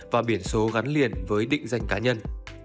và biển số gắn liền với định danh cá nhân